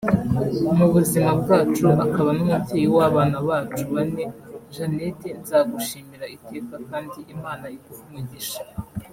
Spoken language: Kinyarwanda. mu buzima bwacu akaba n’umubyeyi w’abana bacu bane - Jeannette - nzagushima iteka kandi Imana iguhe umugisha